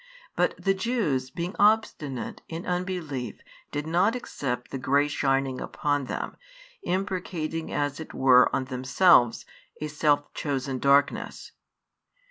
But the Jews, being obstinate in unbelief did not accept the grace shining upon them, imprecating as it were on themselves a self chosen darkness.